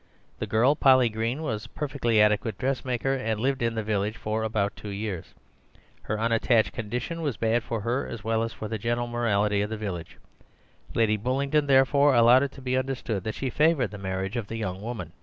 The girl Polly Green was a perfectly adequate dressmaker, and lived in the village for about two years. Her unattached condition was bad for her as well as for the general morality of the village. Lady Bullingdon, therefore, allowed it to be understood that she favoured the marriage of the young woman.